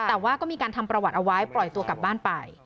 แต่ว่าก็มีการทำประวัติเอาไว้ปล่อยตัวกลับบ้านไป